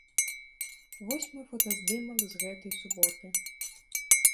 Вось мой фотаздымак з гэтай суботы.